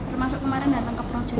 termasuk kemarin datang ke projo